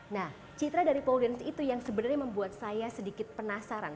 nah citra dari pole dance itu yang sebenarnya membuat saya sedikit penasaran